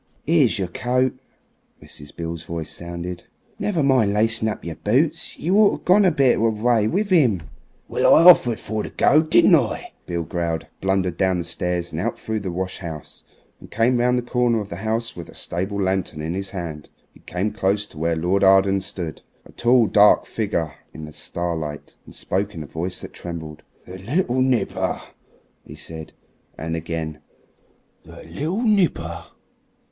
"'Ere's your coat," Mrs. Beale's voice sounded; "never mind lacing up of your boots. You orter gone a bit of the way with 'im." "Well, I offered for to go, didn't I?" Beale growled, blundered down the stairs and out through the wash house, and came round the corner of the house with a stable lantern in his hand. He came close to where Lord Arden stood a tall, dark figure in the starlight and spoke in a voice that trembled. "The little nipper," he said; and again, "the little nipper.